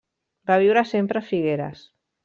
Va viure sempre a Figueres.